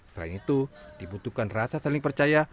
selain itu dibutuhkan rasa saling percaya